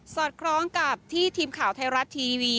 สอดพร้อมกับที่ทีมข่าวไทยรัตน์ทีวี